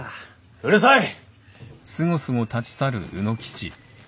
うるさい！